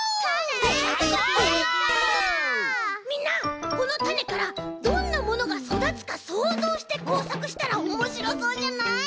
みんなこのたねからどんなものがそだつかそうぞうしてこうさくしたらおもしろそうじゃない？